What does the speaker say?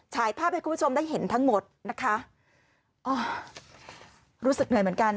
ภาพให้คุณผู้ชมได้เห็นทั้งหมดนะคะอ๋อรู้สึกเหนื่อยเหมือนกัน